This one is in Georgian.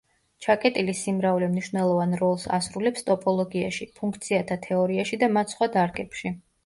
ჩაკეტილი სიმრავლე მნიშვნელოვან როლს ასრულებს ტოპოლოგიაში, ფუნქციათა თეორიაში და მათ სხვა დარგებში.